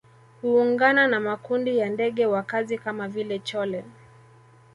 Huungana na makundi ya ndege wakazi kama vile chole